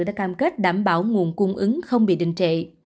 đã cam kết đảm bảo nguồn cung ứng không bị đình trệ